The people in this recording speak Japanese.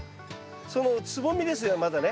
そのつぼみですねまだね。